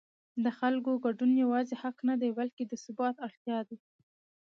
د خلکو ګډون یوازې حق نه دی بلکې د ثبات اړتیا ده